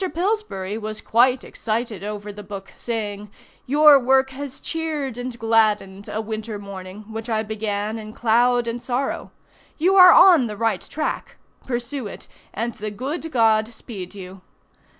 Pillsbury was quite excited over the book, saying; "Your work has cheered and gladdened a winter morning, which I began in cloud and sorrow. You are on the right track. Pursue it, and the good God speed you."